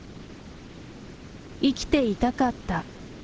生きていたかった。